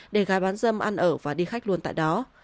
để gái bán dâm ăn ở và đi khách luôn tại đó